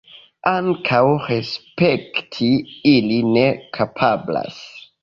Ankaŭ respekti ili ne kapablas.